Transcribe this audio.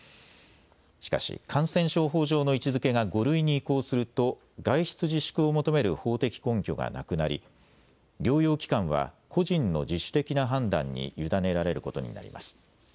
しかし感染症法上の位置づけが５類に移行すると外出自粛を求める法的根拠がなくなり療養期間は個人の自主的な判断に委ねられることになります。